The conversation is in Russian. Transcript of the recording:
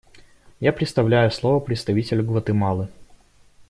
Я предоставляю слово представителю Гватемалы.